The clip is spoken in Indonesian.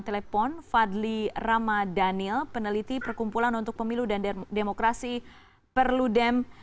telepon fadli ramadhanil peneliti perkumpulan untuk pemilu dan demokrasi perludem